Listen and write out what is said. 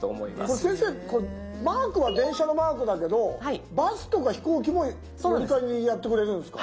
これマークは電車のマークだけどバスとか飛行機も乗り換えにやってくれるんですか？